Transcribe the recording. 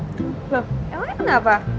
lo emang kenapa